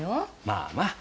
まあまあ。